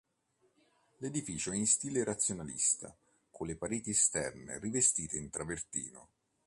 L'edificio è in stile razionalista, con le pareti esterne rivestite in travertino.